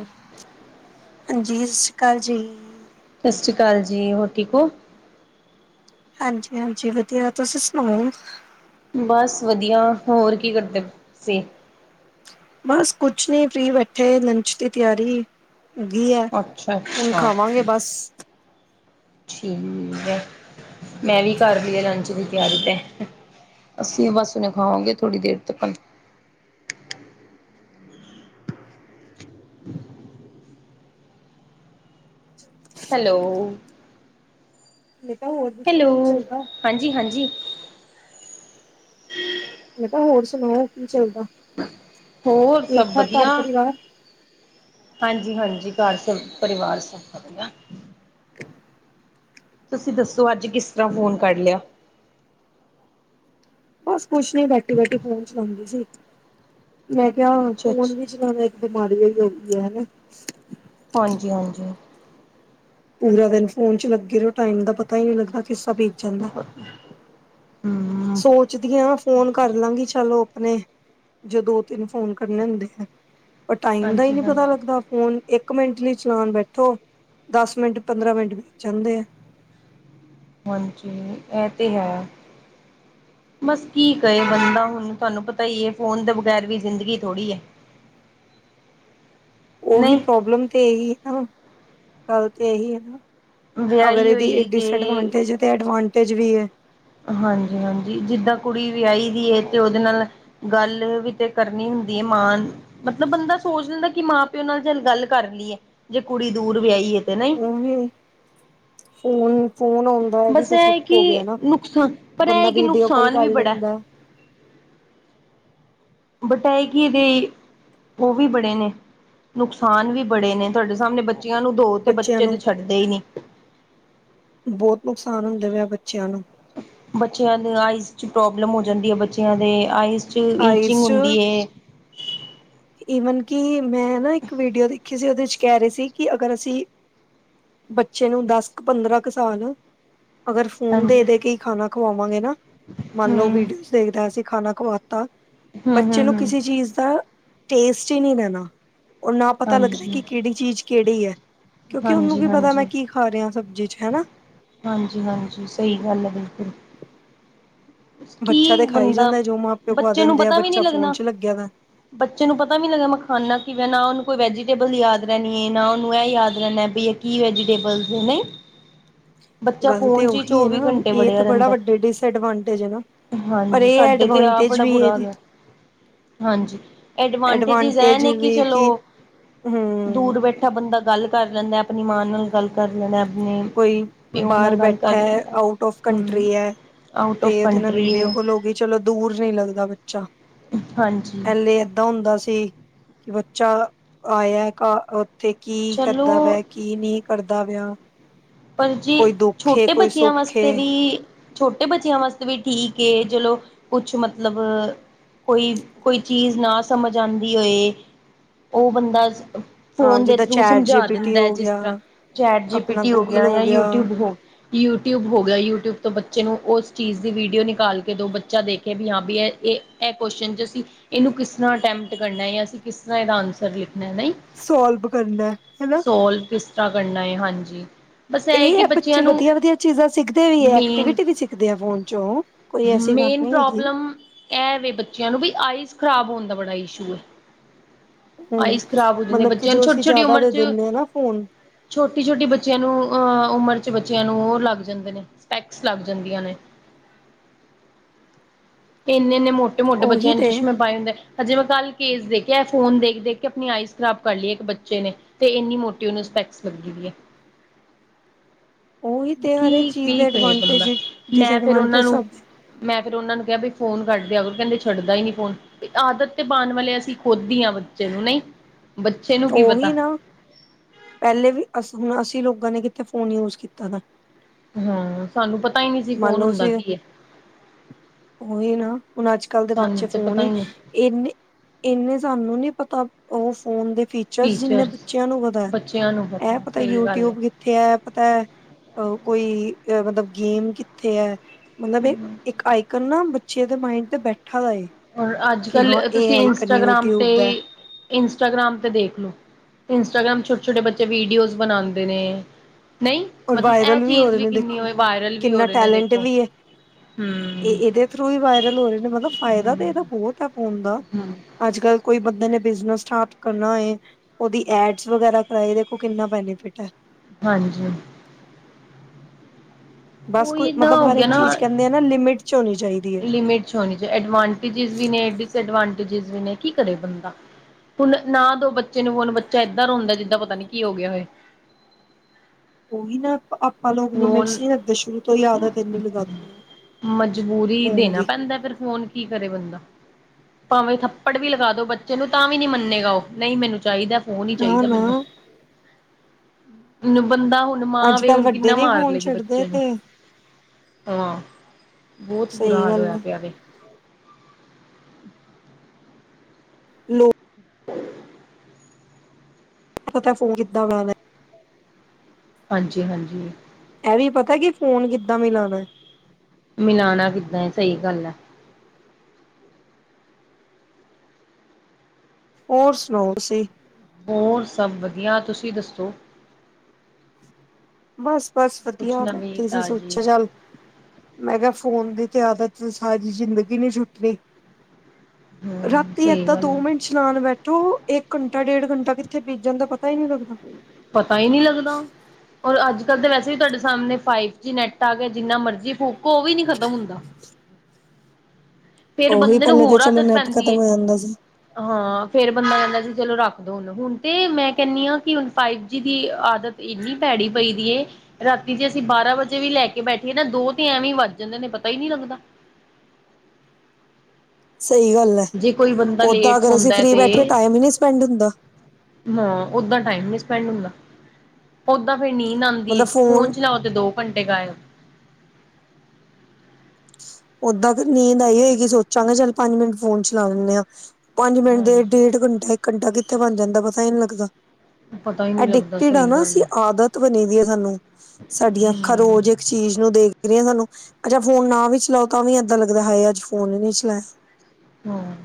ਹ [unintelligible] ਹਾਂਜੀ ਸਤਿ ਸ਼੍ਰੀ ਅਕਾਲ ਜੀ। ਸਤਿ ਸ਼੍ਰੀ ਅਕਾਲ ਜੀ, ਹੋਰ ਠੀਕ ਓ? ਹਾਂਜੀ ਹਾਂਜੀ ਵਧੀਆ, ਤੁਸੀ ਸੁਣਾਓ? ਬਸ ਵਧੀਆ, ਹੋਰ ਕੀ ਕਰਦੇ ਪ ਸੀ। ਬਸ ਕੁੱਛ ਨ੍ਹੀਂ ਫ੍ਰੀ ਬੈਠੇ, ਲੰਚ ਦੀ ਤਿਆਰੀ। ਘੀਆ ਐ ਅੱਛਾ ਹੁਣ ਅੱਛਾ ਖਾਵਾਂਗੇ ਬਸ। ਠੀਕ ਐ, ਮੈਂ ਵੀ ਕਰਲੀ ਐ ਲੰਚ ਦੀ ਤਿਆਰੀ ਤੇ। ਅਸੀਂ ਬਸ ਹੁਣੇ ਖਾਵਾਂਗੇ ਥੋੜ੍ਹੀ ਦੇਰ ਤੱਕਣ। [inaudible] [inaudible] ਹੈਲੋ। ਮੈਂ ਕਿਆ ਹੋਰ ਦੱਸੋ ਹੈਲੋ ਕੀ ਚੱਲਦਾ? ਹਾਂਜੀ ਹਾਂਜੀ। ਮੈਂ ਕਿਆ ਹੋਰ ਸੁਣਾਓ ਕੀ ਚੱਲਦਾ, ਹੋਰ ਸਭ ਠੀਕ-ਠਾਕ ਘਰ ਵਧੀਆ ਪਰਿਵਾਰ। ਹਾਂਜੀ ਹਾਂਜੀ, ਘਰ ਸਬ ਪਰਿਵਾਰ ਸਬ ਵਧੀਆ। ਤੁਸੀਂ ਦੱਸੋ ਅੱਜ ਕਿਸ ਤਰ੍ਹਾਂ ਫੋਨ ਕਰ ਲਿਆ। ਬਸ ਕੁਛ ਨੀ ਬੈਠੀ, ਬੈਠੀ ਫੋਨ ਚਲਾਂਦੀ ਸੀ ਮੈਂ ਕਿਆ ਅੱਛਾ ਫੋਨ ਅੱਛਾ ਵੀ [unintelligible] ਇੱਕ ਬਿਮਾਰੀਆਂ ਹੋਈ ਐ ਹਨਾਂ। ਹਾਂਜੀ ਹਾਂਜੀ। ਪੂਰਾ ਦਿਨ ਫੋਨ ਚ ਲੱਗੇ ਰੋ ਟਾਈਮ ਦਾ ਪਤਾ ਈ ਨ੍ਹੀਂ ਲੱਗਦਾ ਕਿਸਾ [inaudible] ਹਮ ਸੋਚਦੀ ਆਂ ਫੋਨ ਕਰ ਲਾਂਗੀ ਚਲੋ ਆਪਣੇ ਜੇ ਦੋ-ਤਿੰਨ ਫੋਨ ਕਰਨੇ ਹੁੰਦੇ ਨੇ ਪਰ ਟਾਈਮ ਦਾ ਈ ਹਾਂਜੀ ਨ੍ਹੀਂ ਪਤਾ ਹਾਂਜੀ ਲੱਗਦਾ ਫੋਨ ਇੱਕ ਇੱਕ ਮਿੰਟ ਲਈ ਚਲਾਨ ਬੈਠੋ, ਦਸ ਮਿੰਟ, ਪੰਦਰਾਂ ਮਿੰਟ ਵੇਚ ਜਾਂਦੇ ਆ। ਹਾਂਜੀ, ਇਹ ਤੇ ਹੈ। [inaudible] ਬਸ ਕੀ ਕਏ ਬੰਦਾ ਹੁਣ ਤੁਆਨੂੰ ਪਤਾ ਈ ਐ ਫੋਨ ਦੇ ਬਗੈਰ ਵੀ ਜ਼ਿੰਦਗੀ ਥੋੜ੍ਹੀ ਐ। [inaudible] ਉਹੀ ਨਹੀਂ ਪ੍ਰੋਬਲਮ ਤੇ ਇਹੀ ਨਾ ਗੱਲ ਤੇ ਇਹੀ ਨਾ। ਅਗਰ ਵਿਆਹੀ ਏਦੀ ਹੋਈ ਜੇ ਡਿਸਡਵਾਂਟੇਜ ਤੇ ਐਡਵਾਂਟੇਜ ਵੀ ਐ। ਹਾਂਜੀ ਹਾਂਜੀ ਜਿੱਦਾਂ ਕੁੜੀ ਵੀਆਹੀ ਦੀ ਤੇ ਉਹਦੇ ਨਾਲ ਗੱਲ ਵੀ ਤੇ ਕਰਨੀ ਹੁੰਦੀ ਐ ਮਾਨ ਮਤਲਬ ਬੰਦਾ ਸੋਚ ਲੈਂਦਾ ਕਿ ਮਾਂ ਪਿਓ ਨਾਲ ਚੱਲ ਗੱਲ ਕਰ ਲਈਏ ਜੇ ਕੁੜੀ ਦੂਰ ਵਿਆਹੀ ਐ ਤੇ ਨਈਂ। ਉਹ ਵੀ ਫੋਨ, ਫੋਨ ਆਉਣ ਦਾ ਏਵੀ ਬਸ ਤੇ ਇਹ ਹੈ ਸੁੱਖ ਹੋ ਕਿ ਗਿਆ ਨਾ। ਨੁਕਸਾਨ ਪਰ ਇਹ ਹੈ ਬੰਦਾ ਕਿ ਵੀਡੀਓ ਕਾਲ ਨੁਕਸਾਨ ਕਰ ਵੀ ਬੜਾ ਲੈਂਦਾ। ਬਟ ਆ ਏ ਕਿ ਏਦੇ ਉਹ ਵੀ ਬੜੇ ਨੇ, ਨੁਕਸਾਨ ਵੀ ਬੜੇ ਨੇ ਤੁਆਡੇ ਸਾਹਮਣੇ ਬਚ ਬੱਚਿਆਂ ਨੂੰ ਦੋ ਤੇ ਬੱਚਿਆਂ ਬੱਚੇ ਤੇ ਨੂੰ ਛੱਡਦੇ ਈ ਨੀ। ਬੋਤ ਨੁਕਸਾਨ ਹੁੰਦੇ ਵੇ ਆ ਬੱਚਿਆਂ ਨੂੰ। ਬੱਚਿਆਂ ਦੀ ਆਈਜ਼ ਚ ਪ੍ਰੋਬਲਮ ਹੋ ਜਾਂਦੀ ਐ, ਬੱਚਿਆਂ ਦੇ ਆਈਜ਼ ਚ ਆਈਸ ਈਚਿੰਗ ਚ ਹੁੰਦੀ ਐ। ਈਵਨ ਕਿ ਮੈਂ ਨਾ ਇੱਕ ਵੀਡੀਓ ਦੇਖੀ ਸੀ ਉਹਦੇ ਚ ਕੈਅ ਰੇ ਸੀ ਕਿ ਅਗਰ ਅਸੀਂ ਬੱਚੇ ਨੂੰ ਦਸ ਕੁ ਪੰਦਰਾਂ ਕੁ ਸਾਲ ਅਗਰ ਫੋਨ ਹਾਂਜੀ ਦੇ ਦੇ ਕੇ ਹੀ ਖਾਣਾ ਖਵਾਵਾਂਗੇ ਨਾ ਮੰਨ ਲਓ ਹਮ ਵੀਡੀਓ ਦੇਖਦਾ ਅਸੀਂ ਖਾਣਾ ਖਵਾ ਹਮ ਬੱਚੇ ਹਮ ਨੂੰ ਹਮ ਕਿਸੇ ਚੀਜ਼ ਦਾ ਟੇਸਟ ਹੀ ਨਹੀਂ ਰੈਣਾ ਉਹ ਨਾ ਪਤਾ ਲੱਗਣਾ ਹਾਂਜੀ ਕਿ ਕੇੜੀ ਚੀਜ਼ ਕੇੜੀ ਹੈ ਕਿਉਂਕਿ ਉਹਨੂੰ ਹਾਂਜੀ ਕੀ ਪਤਾ ਹਾਂਜੀ ਮੈਂ ਕੀ ਖਾ ਰਿਹਾ ਸਬਜ਼ੀ ਚ ਹਨਾ। ਹਾਂਜੀ ਹਾਂਜੀ ਸਹੀ ਗੱਲ ਹੈ ਬਿਲਕੁਲ ਕੀ ਬੱਚਾ ਤੇ ਖਾਈ ਬੰਦਾ ਜਾਂਦਾ ਜੋ ਮਾਂ ਪਿਓ ਖਵਾ ਬੱਚੇ ਨੂੰ ਦਿੰਦੇ ਆ ਪਤਾ ਵੀ ਨਹੀਂ ਬੱਚਾ ਫੋਨ ਲੱਗਣਾ ਚ ਲੱਗਿਆ ਦਾ ਬੱਚੇ ਨੂੰ ਪਤਾ ਨੀ ਲੱਗਾ ਮੈਂ ਖਾਣਾ ਕਿਵੇਂ ਨਾ ਉਹਨੂੰ ਕੋਈ ਵੈਜੀਟੇਬਲ ਯਾਦ ਰਹਿਣੀ ਹੈ ਨਾ ਉਹਨੂੰ ਇਹ ਯਾਦ ਰਹਿਣਾ ਬੀ ਕੀ ਵੈਜੀਟੇਬਲਸ ਨੇ ਬੱਚਾ ਗੱਲ ਤੇ ਫੋਨ 'ਚ ਹੀ ਉਹੀ ਹੈ ਚੌਵੀ ਨਾ ਘੰਟੇ ਇਹ ਤੇ ਵੜਿਆ ਬੜਾ ਰਹਿੰਦਾ ਵੱਡੇ ਡਿਸਐਡਵਾਂਟੇਜ ਹੈ ਨਾ ਪਰ ਹਾਂਜੀ ਇਹ ਸਾਡੇ ਤੇ ਆਹ ਐਡਵਾਂਟੇਜ ਬੜਾ ਵੀ ਬੁਰਾ ਇਹਦੀ ਹਾਲ ਹਾਂਜੀ ਐਡਵਾਂਟੇਜਿਸ ਇਹ ਐਡਵਾਂਟੇਜ ਨੇ ਕਿ ਵੀ ਚਲੋ ਹਮ ਦੂਰ ਬੈਠੇ ਇ ਬੈਠਾ ਬੰਦਾ ਗੱਲ ਕਰ ਲੈਂਦਾ ਆਪਣੀ ਮਾਂ ਨਾਲ ਗੱਲ ਕਰ ਲੈਣਾ ਆਪਣੇ ਕੋਈ ਪਿਓ ਬਾਹਰ ਨਾਲ ਗੱਲ ਬੈਠਾ ਕਰ ਹੈ ਲੈਂਦਾ ਆਊਟ ਆਫ ਹਮ ਕੰਟਰੀ ਹੈ ਆਊਟ ਔਫ ਤੇ ਨਾਲ ਵੀਡੀਓ ਕੋਲ ਹੋ ਗਈ ਚਲੋ ਦੂਰ ਨਹੀਂ ਲੱਗਦਾ ਬੱਚਾ ਹਾਂਜੀ ਪੈਲੇ ਏਦਾਂ ਹੁੰਦਾ ਸੀ ਕਿ ਬੱਚਾ ਆਇਆ ਘ ਤੇ ਕੀ ਚਲੋ ਕਰਦਾ ਵਾ ਕੀ ਨਹੀਂ ਕਰਦਾ ਪਿਆ ਪਰ ਜੇ ਕੋਈ ਦੁੱਖ ਏ ਛੋਟੇ ਕੋਈ ਬੱਚਿਆਂ ਸੁੱਖ ਵਾਸਤੇ ਏ ਵੀ ਛੋਟੇ ਬੱਚਿਆਂ ਵਾਸਤੇ ਵੀ ਠੀਕ ਏ ਚਲੋ ਕੁਛ ਮਤਲਬ ਕੋਈ ਕੋਈ ਚੀਜ਼ ਨਾ ਸਮਝ ਆਂਦੀ ਹੋਏ ਉਹ ਬੰਦਾ ਹਾਂ ਫੋਨ ਦੇ ਜਿੱਦਾਂ ਥਰੂ ਚੈਟ ਜੀ ਸਮਝਾ ਪੀ ਟੀ ਦਿੰਦਾ ਹੈ ਹੋ ਜਿਸ ਗਿਆ ਤਰ੍ਹਾਂ ਚੈਟ ਜੀ ਪੀ ਟੀ ਹੋ ਗਿਆ ਜਾਂ ਯੂਟਿਊਬ ਹੋ ਯੂਟਿਊਬ ਹੋ। ਗਿਆ ਯੂਟਿਊਬ ਤੋਂ ਬੱਚੇ ਨੂੰ ਉਸ ਚੀਜ਼ ਦੀ ਵੀਡੀਓ ਨਿਕਾਲ ਕੇ ਦੋ ਬੱਚਾ ਦੇਖੇ ਵੀ ਹਾਂ ਵੀ ਇਹ ਇਹ ਇਹ ਕੋਸ਼ਚਨ 'ਚ ਅਸੀਂ ਇਹਨੂੰ ਕਿਸ ਤਰ੍ਹਾਂ ਅਟੈਂਪਟ ਕਰਨਾ ਜਾਂ ਅਸੀਂ ਕਿਸ ਤਰ੍ਹਾਂ ਦਾ ਆਨਸਰ ਲਿਖਣਾ ਹੈ। ਨਈ ਸੋਲਵ ਕਰਨਾ ਹਨਾ ਸੋਲਵ ਕਿਸ ਤਰ੍ਹਾਂ ਕਰਨਾ ਏ ਹਾਂਜੀ। ਬਸ ਇਹ ਕਿ ਹੈ ਬੱਚਿਆਂ ਬੱਚੇ ਨੂੰ ਵਧੀਆ ਵਧੀਆ ਚੀਜ਼ਾਂ ਸਿੱਖਦੇ ਵੀ ਹੈ ਮੇਨ ਐਕਟੀਵਿਟੀ ਵੀ ਸਿੱਖਦੇ ਆ ਫੋਨ ਚੋਂ ਕੋਈ ਐਸੀ ਗੱਲ ਮੇਨ ਨਹੀਂ ਹੈਗੀ ਪ੍ਰੋਬਲਮ ਇਹ ਵ ਬੱਚਿਆਂ ਨੂੰ ਵੀ ਆਈਜ਼ ਖ਼ਰਾਬ ਹੋਣ ਦਾ ਬੜਾ ਇਸ਼ੂ ਹੈ। ਹਮ ਆਈਸ ਖਰਾਬ ਹੋ ਜਾਂਦੀ ਮਤਲਬ ਕਿ ਬੱਚਿਆਂ ਨੂੰ ਜੋ ਛੋਟੀ ਅਸੀਂ ਛੋਟੀ ਜ਼ਿਆਦਾ ਉਮਰ ਦੇ ਚ ਦਿੰਦੇ ਹਾਂ ਨਾ ਫੋਨ ਛੋਟੀ ਛੋਟੀ ਬੱਚਿਆਂ ਨੂੰ ਅਹ ਉਮਰ ਚ ਬੱਚਿਆਂ ਨੂੰ ਉਹ ਲੱਗ ਜਾਂਦੇ ਨੇ ਸਪੈਕਸ ਲੱਗ ਜਾਂਦੀਆਂ ਨੇ ਇੰਨੇ ਇੰਨੇੋ ਮੋਟੇ ਮੋਟੇ ਉਹੀ ਬੱਚਿਆਂ ਨੇ ਤੇ ਚਸ਼ਮੇ ਪਾਏ ਹੁੰਦੇ ਹਜੇ ਮੈਂ ਕੱਲ ਕੇਸ ਦੇਖਿਆ ਫੋਨ ਦੇਖ ਦੇਖ ਕੇ ਆਪਣੀ ਆਈਸ ਖਰਾਬ ਕਰ ਲਈ ਇੱਕ ਬੱਚੇ ਨੇ ਤੇ ਇੰਨੀ ਮੋਟੀ ਉਹਨੂੰ ਸਪੈਕਸ ਲ ਗੀ ਵੀ ਹੈ। ਉਹੀ ਤੇ ਹਰੇਕ ਚੀਜ਼ ਕੀ-ਕੀ ਦੇ ਕਹੇ ਬੰਦਾ ਅਡਵਾਂਟਜ ਮੈਂ ਫਿਰ ਡਿਸਐਡਵਾਂਟਜ ਉਹਨਾਂ ਨੂੰ ਸਭ ਦੇ ਮੈਂ ਫਿਰ ਉਹਨਾਂ ਨੂੰ ਕਿਹਾ ਬਈ ਫੋਨ ਘਟ ਦੇਆ ਕਰੋ ਕਹਿੰਦੇ ਛੱਡਦਾ ਹੀ ਨ ਨਹੀਂ ਫੋਨ ਆਦਤ ਤੇ ਪਾਣ ਵਾਲੇ ਅਸੀਂ ਖੁਦ ਹੀ ਹਾਂ ਬੱਚੇ ਨੂੰ ਨਹੀਂ ਬੱਚੇ ਨੂੰ ਕੀ ਪਤਾ ਉਹੀ ਨਾ ਪੈਲੇ ਵੀ ਅ ਹੁਣ ਅਸੀਂ ਲੋਕਾਂ ਨੇ ਕਿੱਥੇ ਫੋਨ ਯੂਜ ਕੀਤਾ ਤ ਹਾਂ ਸਾਨੂੰ ਪਤਾ ਹੀ ਨਹੀਂ ਸੀ ਮੰਨ ਫੋਨ ਲਓ ਹੁੰਦਾ ਅਸੀਂ ਕੀ ਹੈ। ਉਹੀ ਨਾ ਹੁਣ ਅੱਜ ਕੱਲ੍ਹ ਦੇ ਬੱਚੇ ਸਾਨੂੰ ਤੇ ਫੋਨ ਪਤਾ ਹੀ ਨਹੀਂ ਇਨੇ ਇਨੇ ਸਾਨੂੰ ਨੀ ਪਤਾ ਉਹ ਫੋਨ ਦੇ ਫੀਚ ਚ ਜਿੰਨੇ ਟੀਚਰਸ ਬੱਚਿਆਂ ਨੂੰ ਪਤਾ ਬੱਚਿਆਂ ਨੂੰ ਇਹ ਪਤਾ ਸਹੀ ਗੱਲ ਹੈ ਯੂਟਿਊਬ ਕਿੱਥੇ ਹੈ ਪਤਾ ਹੈ ਕੋਈ ਮਤਲਬ ਗੇਮ ਕਿੱਥੇ ਹੈ। ਮਤਲਬ ਇੱਕ ਆਈਕਨ ਨਾ ਬੱਚੇ ਦੇ ਮਾਇੰਡ ਤੇ ਬੈਠਾ ਦਾ ਹੈ। ਰ ਅੱਜ ਕੱਲ ਤੁਸੀਂ ਇੰਸਟਾਗ੍ਰਾਮ ਤੇ ਯੂਟਿਊਬ ਦਾ ਇੰਸਟਾਗ੍ਰਾਮ ਤੇ ਦੇਖ ਲੋ ਇੰਸਟਾਗ੍ਰਾਮ ਛੋਟੇ ਛੋਟੇ ਬੱਚੇ ਵੀਡੀਓਜ਼ ਬਣਾਦੇ ਨੇ ਨਹੀਂ ਔਰ ਮਤਲਬ ਇਹ ਵਾਇਰਲ ਹੋ ਚੀਜ਼ ਰਹੇ ਵੀ ਨੇ ਕਿੰਨੀ ਦੇਖੋ ਹੋਵੇ ਵਾਇਰਲ ਵੀ ਹੋ। ਕਿੰਨਾ ਰਹੇ ਨੇ ਟੈਲੈਂਟ ਦੇਖੋ ਵੀ ਹੈ ਇਹ ਹੂੰ ਇਹਦੇ ਥਰੂ ਈ ਵਾਇਰਲ ਹੋ ਰਏ ਨੇ ਮਤਲਬ ਫਾਇਦਾ ਤਾਂ ਇਹਦਾ ਬੋਤ ਹੈ ਫੋਨ ਦਾ ਹੂੰ ਅੱਜ ਕੱਲ ਕੋਈ ਬੰਦੇ ਨੇ ਬਿਜਨਸ ਸਟਾਰਟ ਕਰਨਾ ਹੈ। ਓ ਦੀ ਐਡ ਵਗੈਰਾ ਕਰਵਾਏ ਦੇਖੋ ਕਿੰਨਾ ਬੈਨੀਫਿਟ ਹੈ। ਹਾਂਜੀ ਬਸ ਕੋ ਉਹੀ ਨਾ ਮਤਲਬ ਹੋ ਹਰ ਗਿਆ ਇੱਕ ਨਾ ਚੀਜ਼ ਕੈਂਦੇ ਆ ਨਾ ਲਿਮਿਟ 'ਚ ਹੋਣੀ ਚਾਹੀਦੀ। ਹੈ ਲਿਮਿਟ 'ਚ ਹੋਣੀ ਚਾਹੀ ਐਡਵਾਂਟੇਜਿ ਵੀ ਨੇ ਡਿਸਐਡਵਾਂਟੇਜਿ ਵੀ ਨੇ ਕੀ ਕਰੇ ਬੰਦਾ ਹੁਣ ਨਾ ਦੋ ਬੱਚੇ ਨੂੰ ਹੁਣ ਬੱਚਾ ਏਦਾਂ ਰੋਂਦਾ ਜਿੱਦਾਂ ਪਤਾ ਨੀ ਕੀ ਹੋ ਗਿਆ ਹੋਏ। ਉਹੀ ਨਾ ਆਪਾਂ ਲੋਕ ਨੇ ਮਿਰ ਹੁਣ ਸੀ ਦੇ ਸ਼ੁਰੂ ਤੋਂ ਹੀ ਆਦਤ ਹੈ ਤੇ ਨਈ ਲਗਾ ਦਿੰਦ ਮਜਬੂਰੀ ਦੇਣਾ ਪੈਂਦਾ ਫਿਰ ਫੋਨ ਕੀ ਕਰੇ ਬੰਦਾ ਭਾਵੇਂ ਥੱਪੜ ਵੀ ਲਗਾ ਦੋ ਬੱਚੇ ਨੂੰ ਤਾਂ ਵੀ ਨੀ ਮੰਨੇਗਾ ਓ ਨਈ ਮੈਨੂੰ ਚਾਹੀਦਾ। ਫੋਨ ਈ ਨਾ ਚਾਹੀਦਾ ਨਾ ਮੈਨੂੰ ਬੰਦਾ ਹੁਣ ਮਾਂ ਅੱਜ ਵੇ ਕੱਲ ਹੁਣ ਕਿੰਨਾ ਵੱਡੇ ਨੀ ਮਾਰ ਫੋਨ ਲੈ ਗੀ ਛੱਡਦੇ ਬੱਚੇ ਨੂੰ ਤੇ ਹਾਂ ਬੋਤ ਬੁਰਾ ਸਹੀ ਹਾਲ ਗੱਲ ਹੋਇਆ ਹੈ ਪਿਆ ਵੇ। ਲੋ [inaudible] ਪਤਾ ਫੋਨ ਕੀਤਾ ਉਹਨਾਂ ਨੇ। ਹਾਂਜੀ-ਹਾਂਜੀ ਇਹ ਵੀ ਪਤਾ ਕੀ ਫੋਨ ਕਿੱਦਾਂ ਮਿਲਾਣਾ ਮਿਲਾਣਾ ਕਿੱਦਾਂ ਏ ਸਈ ਗੱਲ ਹੈ। ਹੋਰ ਸੁਣਾਓ ਤੁਸੀਂ ਹੋਰ ਸਭ ਵਧੀਆ ਤੁਸੀਂ ਦੱਸੋ। ਬਸ-ਬਸ ਕੁਛ ਵਧੀਆ ਮੈਂ ਨਵੀਂ ਕਿਸੀਂ ਤਾਜ਼ੀ ਸੋਚਿਆ ਚੱਲ ਮੈਂ ਕਿਆ ਫੋਨ ਦੀ ਤੇ ਆਦਤ ਸਾਰੀ ਜ਼ਿੰਦਗੀ ਨਈ ਛੁੱਟਣੀ ਹਮ ਰਾਤੀ ਸਹੀ ਏਦਾਂ ਗੱਲ ਦੋ ਹੈ ਮਿੰਟ ਚਲਾਣ ਬੈਠੋ ਇੱਕ ਘੰਟਾ ਡੇਢ ਘੰਟਾ ਕਿੱਥੇ ਬੀਤ ਜਾਂਦਾ ਪਤਾ ਹੀ ਨਈ ਲੱਗਦਾ। ਪਤਾ ਹੀ ਨਈ ਲੱਗਦਾ। ਔਰ ਅੱਜ ਕੱਲ੍ਹ ਤਾਂ ਵੈਸੇ ਵੀ ਤੁਹਾਡੇ ਸਾਹਮਣੇ ਫਾਈਵ ਜੀ ਨੈੱਟ ਆ ਗਿਆ ਜਿੰਨਾ ਮਰਜ਼ੀ ਫੁਕੋ ਓ ਵੀ ਨੀ ਖਤਮ ਹੁੰਦਾ। ਫਿਰ ਉਹੀ ਬੰਦੇ ਨੂੰ ਪਹਿਲੇ ਤਾਂ ਹੋਰ ਚਲੋ ਆਦਤ ਨੈਟ ਪੈਂਦੀ ਖਤਮ ਏ। ਹੋ ਜਾਂਦਾ ਸੀ ਹਾਂ ਫਿਰ ਬੰਦਾ ਕੈਂਦਾ ਸੀ ਚਲੋ ਰੱਖ ਦੋ ਹੁਨ ਹੁਣ ਤੇ ਮੈਂ ਕੈਣੀ ਆਂ ਕਿ ਹੁਣ ਫਾਈਵ ਜੀ ਦੀ ਆਦਤ ਇੰਨੀ ਭੈੜੀ ਪਈ ਦੀ ਏ। ਰਾਤੀ ਜੇ ਅਸੀਂ ਬਾਰਾਂ ਵਜੇ ਵੀ ਲੈ ਕੇ ਬੈਠੀਏ ਨਾ ਦੋ ਤੇ ਐਵੇ ਹੀ ਵੱਧ ਜਾਂਦੇ ਨੇ ਪਤਾ ਹੀ ਨਈ ਲੱਗਦਾ। ਸਈ ਗੱਲ ਹੈ ਜੇ ਕੋਈ ਬੰਦਾ ਓਦਾਂ ਲੇਟ ਅਗਰ ਅਸੀਂ ਸੌਂਦਾ ਫਰੀ ਤੇ ਬੈਠੇ ਟੈਮ ਈ ਨਈ ਸਪੈਂਡ ਹੁੰਦਾ। ਹਾਂ ਓਦਾਂ ਟੈਮ ਨੀ ਸਪੈਂਡ ਹੁੰਦਾ ਓਦਾਂ ਫੇਰ ਨੀਂਦ ਆਂਦ ਫੇਰ ਫੋਨ ਚਲਾਓ ਤੇ ਦੋ ਘੰਟੇ ਗਾਇਬ ਓਦਾਂ ਤੇ ਨੀਂਦ ਆਈ ਹੋਏਗੀ ਸੋਚਾਂਗੇ ਚੱਲ ਪੰਜ ਮਿੰਟ ਫੋਨ ਚਲਾ ਲੇਂਣੇ ਆਂ। ਪੰਜ ਮਿੰਟ ਦੇ ਹਾਂਜੀ। ਡੇਢ ਘੰਟਾ ਇੱਕ ਘੰਟਾ ਕਿੱਥੇ ਬਣ ਜਾਂਦਾ ਪਤਾ ਹੀ ਨਈ ਲੱਗਦਾ। ਪਤਾ ਈ ਨੀ ਲੱਗਦਾ ਅਡਿਕਟਿ ਸਹੀ ਆਂ ਨਾ ਗੱਲ ਅਸੀ ਆਦਤ ਬਣੀ ਦੀ ਆ ਸਾਨੂੰ ਸਾਡੀਆਂ ਅੱਖਾਂ ਹੂੰ ਰੋਜ਼ ਇੱਕ ਚੀਜ਼ ਨੂੰ ਦੇਖ ਰਈਆ ਸਾਨੂੰ ਅੱਛਾ ਫੋਨ ਨਾ ਵੀ ਚਲਾਓ। ਤਾਂਵੀ ਏਦਾਂ ਲੱਗਦਾ ਹੈ ਹਾਏ ਅੱਜ ਫੋਨ ਨੀ ਚਲਾਏ। ਹਾਂ।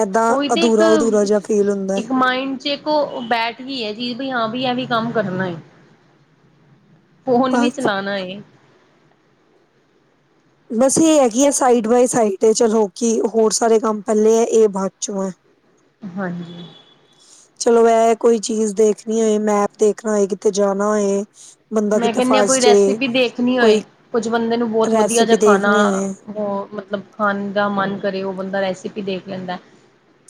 ਏਦਾਂ ਉਹੀ ਤੇ ਅਧੂਰਾ-ਅਧੂਰਾ ਜਿਹਾ ਫੀਲ ਹੁੰਦਾ। ਜੇਕ ਓ ਬੈਠ ਹੀ ਹੈ ਜੀ ਬਈ ਹਾਂ ਵੀ ਐ ਵੀ ਕੰਮ ਕਰਨਾ। ਫੋਨ ਵੀ ਬਸ ਚਲਾਉਣਾ ਏ। ਬਸ ਇਹ ਹੈ ਕੀ ਹੈ ਸਾਈਡ ਬਾਏ ਸਾਈਡ ਚਲੋ ਕਿ ਹੋਰ ਸਾਰੇ ਕੰਮ ਪੈਲੇ ਹੈ ਇਹ ਬਾਦ ਚੋਂ ਐ। ਹਾਂਜੀ। ਚਲੋ ਐ ਕੋਈ ਚੀਜ਼ ਦੇਖਣੀ ਹੋਏ, ਮੈਪ ਦੇਖਣਾ ਹੋਏ ਕਿਤੇ ਜਾਣਾ ਹੋਏ। ਬੰਦਾ ਮੈਂ ਕਿਤੇ ਕੇਨੀ ਆਂ ਕੋਈ ਫਸ ਜੇ ਰੈਸਪੀ ਦੇਖਨੀ ਹੋਏ, ਕੋਈ ਕੁਝ ਬੰਦੇ ਨੂੰ ਬੌਤ ਵਧੀਆ ਜੇਆ ਰੈਸਿਪੀ ਖਾਨਾ। ਦੇਖਣੀ ਹੋਏ ਓ ਮਤਲਬ ਖਾਨ ਦਾ ਮਨ ਕਰੇ, ਓ ਬੰਦਾ ਰੈਸਿਪੀ ਦੇਖ ਲੈਂਦਾ।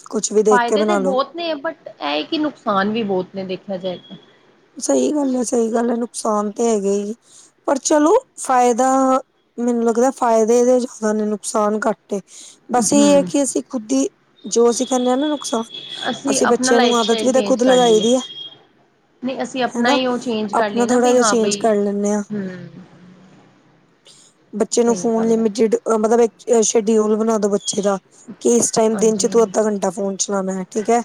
ਕੁਛ ਵੀ ਦੇਖ ਕੇ ਫਾਏਦੇ ਤੇ ਬਣਾ ਲੋ ਬੌਤ ਨੇ, ਬਟ ਐ ਕਿ ਨੁਕਸਾਨ ਵੀ ਬੌਤ ਨੇ, ਦੇਖੇਆ ਜਾਏ ਤਾਂ। ਸਈ ਗੱਲ ਐ, ਸਹੀ ਗੱਲ ਐ, ਨੁਕਸਾਨ ਤੇ ਹੈਗਾ ਈ, ਪਰ ਚਲੋ ਫਾਏਦਾ। ਮੈਨੂੰ ਲੱਗਦਾ ਫਾਏਦੇ ਏਹਦੇ ਜਾਦਾ ਨੇ, ਨੁਕਸਾਨ ਘੱਟ ਏ। ਬਸ ਏਹ ਐ ਹੂੰ। ਕਿ, ਅਸੀਂ ਖੁਦ ਈ ਜੋ ਅਸੀ ਕੈੰਦੇ ਆ ਨਾ ਨੁਕਸਾਨ ਅਸੀਂ ਅਸੀ ਆਪਣਾ ਬੱਚੇਆਂ ਨੂੰ ਲਾਈਫ ਆਦਤ ਵੀ ਸਟਾਈਲ ਤਾਂ, ਚੇਂਜ ਖੁਦ ਕਰ ਲਗਾਈ ਲਈਏ। ਦੀ ਐ। ਨਹੀਂ ਅਸੀਂ ਆਪਣਾ ਹੈਨਾ, ਹੀ ਉਹ ਚੇਂਜ ਕਰ ਲਈਏ ਆਪਣਾ ਨਾ ਥੋੜ੍ਹਾ ਬਈ ਜੇਆ ਹਾਂ ਚੇਂਜ ਬਈ ਕਰ ਲੈਂਨੇ ਹਾਂ। ਹੂੰ। ਬੱਚੇ ਨੂੰ ਸਹੀ ਫੋਨ, ਗੱਲ ਹੈ ਲਿਮਟਿਡ ਮਤਲਬ ਏ ਸ਼ਡਿਊਲ ਬਣਾ ਦੋ ਬੱਚੇ ਦਾ ਕਿ ਇਸ ਟਾਈਮ ਦਿਨ 'ਚ ਹਾਂਜੀ ਤੂੰ ਅੱਦਾ ਹਾਂਜੀ ਘੰਟਾ ਫੋਨ ਪੁੱਛਣਾ ਮੈਂ, ਠੀਕ ਐ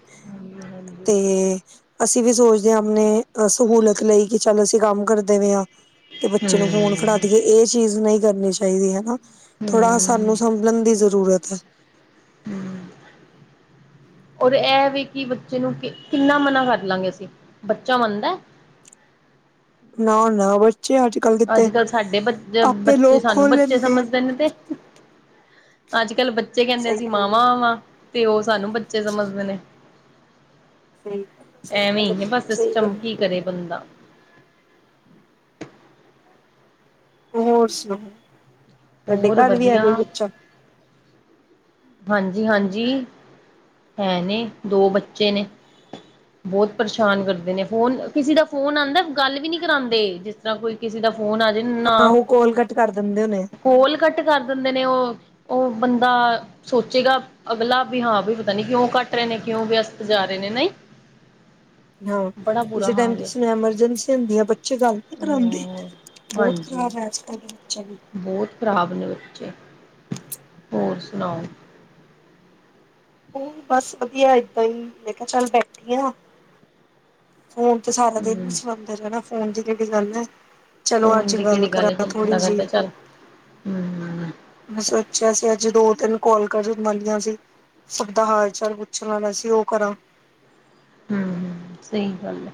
ਹਾਂਜੀ, ਹਾਂਜੀ। ਤੇ, ਅਸੀਂ ਵੀ ਸੋਚਦੇ ਆਂ ਆਪਨੇ ਸਹੂਲਤ ਲਈ ਕਿ ਚੱਲ ਅਸੀਂ ਕੰਮ ਕਰਦੇ ਪਏ ਆਂ ਤੇ ਬੱਚੇ ਨੂੰ ਫੋਨ ਹੂੰ। ਫੜਾ ਦੀਏ। ਏਹ ਚੀਜ਼ ਨਹੀਂ ਕਰਨੀ ਚਾਈਦੀ, ਹੈਨਾ ਥੋੜਾ ਸਾਨੂੰ ਸੰਭਲਣ ਦੀ ਜ਼ਰੂਰਤ ਐ। ਹਮ ਔਰ ਐ ਵੇ ਕਿ, ਬੱਚੇ ਨੂੰ ਕਿੰਨਾ ਮਨਾ ਕਰ ਲਾਂਗੇ ਅਸੀ, ਬੱਚਾ ਮੰਨਦਾ। ਨਾ -ਨਾ ਬੱਚੇ, ਅੱਜ ਕੱਲ ਕਿਤੇ ਅੱਜ -ਕੱਲ੍ਹ ਸਾਡੇ ਬ, ਆਪੇ ਬੱਚੇ ਲੋਕ ਸਾਨੂੰ ਖੋਲ ਬੱਚੇ ਲੈਂਦੇ ਆ। ਸਮਝਦੇ ਨੇ ਤੇ ਅੱਜ -ਕੱਲ ਬੱਚੇ ਕੈੰਦੇ ਸਹੀ ਅਸੀ ਗੱਲ ਹੈ ਮਾਵਾਂ ਵਾਂ। ਤੇ, ਓ ਸਾਨੂੰ ਬੱਚੇ ਸਮਝਦੇ ਨੇ। ਸਹੀ ਗੱਲ ਹੈ ਸਹੀ ਐਵੇਂ ਗੱਲ ਹੈ ਈ ਐ ਬਸ ਬਿਲਕੁਲ ਸਹੀ ਗੱਲ ਸਿਸਟਮ, ਕੀ ਕਰੇ ਬੰਦਾ? ਹੋਰ ਸੁਨਾਓ, ਤੁਆਡੇ ਹੋਰ ਘਰ ਵੀ ਐ ਵਧੀਆ ਕੋਈ ਬੱਚਾ? ਹਾਂਜੀ-ਹਾਂਜੀ, ਹੈ ਨੇ, ਦੋ ਬੱਚੇ ਨੇ। ਬੌਤ ਪਰੇਸ਼ਾਨ ਕਰਦੇ ਨੇ, ਫੋਨ ਕਿਸੇ ਦਾ ਫੋਨ ਆਂਦਾ ਗੱਲ ਵੀ ਨੀ ਕਰਾਂਦੇ, ਜਿਸ ਤਰ੍ਹਾਂ ਕੋਈ ਕਿਸੇ ਦਾ ਫੋਨ ਆ, ਜੇ ਨਾ ਆਹੋ ਕੋਲ ਕੱਟ ਕਰ ਦਿੰਦੇ ਹੋਣੇ ਕੋਲ ਕੱਟ ਕਰ ਦਿੰਦੇ ਨੇ, ਓ, ਓ ਬੰਦਾ ਸੋਚੇਗਾ ਅਗਲਾ, ਵੀ ਹਾਂ ਵੀ ਪਤਾ ਨੀ ਕਿਉਂ ਕੱਟ ਰਏ ਨੇ, ਕਿਉਂ ਵੇਅਸਤ ਜਾ ਰਏ ਨੇ, ਨਈ। ਹਾਂ, ਕਿਸੇ ਟਾਈਮ ਹਾਲ ਹੈ ਕਿਸੇ ਨੂੰ, ਐਮਰਜੈਂਸੀ ਹੁੰਦੀ ਆ, ਬੱਚੇ ਗੱਲ ਨੀਂ ਕਰਾਂਦੇ। ਹਮ ਬੌਤ ਖਰਾਬ ਐਂ, ਅੱਜ -ਕੱਲ ਦੇ ਬੱਚੇ ਵੀ। ਬੌਤ ਖਰਾਬ ਨੇ ਬੱਚੇ, ਹੋਰ ਸੁਨਾਓ? ਬਸ ਵਧੀਆ, ਏਦਾਂ ਈ ਮੈਂ ਕਿਆ, ਚੱਲ ਬੈਠੀ ਆਂ- ਫੋਨ ਤੇ, ਸਾਰਾ ਦਿਨ ਈ ਹਮ ਸੁਨਦੇ ਰੈਨਾ, ਫੋਨ ਦੀ ਕੇੜੀ ਗੱਲ ਐ। ਚਲੋ ਫੋਨ ਅੱਜ, ਦੀ ਗੱਲ ਕਿਹੜੀ ਹੈ ਜ ਕਰਾਂ ਥੋੜੀ ਬੰਦਾ ਜੀ। ਕਹਿੰਦਾ ਚੱਲ ਹਮ। ਮੈਂ ਸੋਚੇਆ ਸੀ, ਅੱਜ ਦੋ, ਤਿੰਨ ਕੋੱਲ ਕਰਨ ਵਾਲੀਆਂ ਸੀ। ਸਬ ਦਾ ਹਾਲ- ਚਾਲ, ਪੁੱਛ ਲਾਂ ਵੈਸੇ ਈ, ਓ ਕਰਾਂ। ਹਮ -ਹਮ, ਸਈ ਗੱਲ ਐ,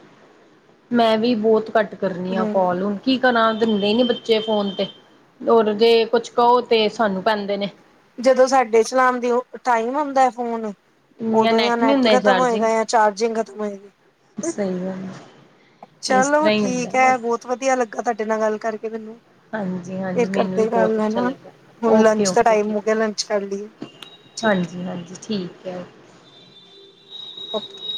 ਮੈਂ ਵੀ, ਬੌਤ ਘੱਟ ਕਰਨੀ ਆਂ ਹੂੰ ਕੋੱਲ। ਕੀ ਕਰਾਂ, ਦੇਂਦੇ ਈ ਨੀ ਬੱਚੇ ਫੋਨ ਤੇ ਔਰ ਜੇ ਕੁਛ ਕਓ, ਤੇ ਸਾਨੂੰ ਪੈਂਦੇ ਨੇ। ਜਦੋਂ ਸਾਡੇ ਚਲਾਣ ਦੀ ਓ, ਟਾਈਮ ਹੁੰਦਾ ਫੋਨ, ਇਨੀਆਂ ਓਦੋਂ ਯਾ ਨੀ ਨੈਟ ਹੁੰਦੇ ਖਤਮ ਹੋਏਗਾ ਚਾਰਜਿੰਗ ਯਾ ਚਾਰਜਿੰਗ ਖਤਮ ਹੋਏਗੀ, ਸਹੀ ਗੱਲ ਹੈ। ਇਸ ਚਲੋ ਤਰ੍ਹਾਂ ਹੀ ਹੁੰਦਾ ਠੀਕ ਐ, ਬਸ ਬੋ ਤ ਵਦੀਆ ਲੱਗਾ, ਤੁਆਡੇ ਨਾਲ ਗੱਲ ਕਰਕੇ ਮੈਨੂੰ। ਹਾਂਜੀ ਹਾਂਜੀ ਫੇਰ ਮੈਨੂੰ ਵੀ ਕਰਦੇ ਬਹੁਤ ਗੱਲ ਅੱਛਾ ਹੈਨਾ, ਲੱਗਾ ਹੁਣ ਓਕੇ ਲੰਚ ਦਾ ਓਕੇ ਟਾਈਮ ਠੀਕ ਹੋ ਗੇਆ ਲੰਚ ਕਰ ਲੀਏ, ਠੀਕ। ਹਾਂਜੀ ਹਾਂਜੀ ਠੀਕ ਐ। ਓਕੇ।